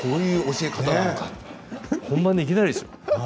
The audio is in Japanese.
本番でいきなりですよ。